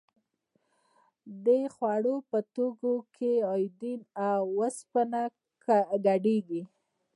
د خوړو په توکو کې ایوډین او اوسپنه ګډیږي؟